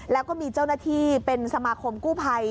แล้วก็มีเจ้าหน้าที่เป็นสมาคมกู้ภัย